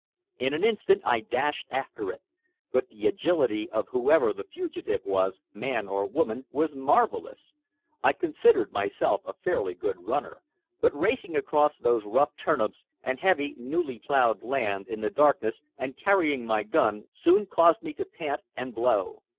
In an instant I dashed after it. But the agility of whoever the fugitive was, man or woman, was marvelous. I considered myself a fairly good runner, but racing across those rough turnips and heavy, newly plowed land in the darkness and carrying my gun soon caused me to pant and blow.